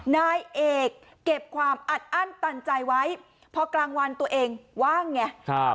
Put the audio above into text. นายเอกเก็บความอัดอั้นตันใจไว้พอกลางวันตัวเองว่างไง